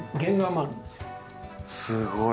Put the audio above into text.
すごい！